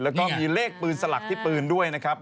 แล้วก็มีเลขปืนสลักที่ปืนด้วยนะครับ